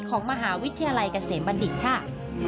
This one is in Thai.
ของมหาวิทยาลัยเกษมบัณฑิตค่ะ